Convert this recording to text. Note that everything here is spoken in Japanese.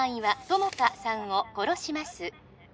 友果さんを殺します